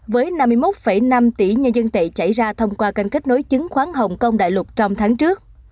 với năm mươi một năm tỷ nhân dân tệ chảy ra thông qua kênh kết nối chứng khoán hồng kông đại lục trong tháng trước